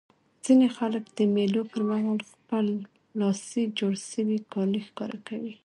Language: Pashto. ځيني خلک د مېلو پر مهال خپلي لاسي جوړ سوي کالي ښکاره کوي.